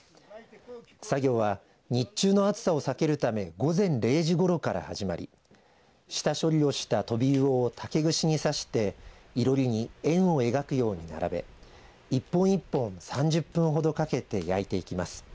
作業は日中の暑さを避けるため午前０時ごろから始まり下処理をしたトビウオを竹串に刺していろりに円を描くように並べ一本一本、３０分ほどかけて焼いていきます。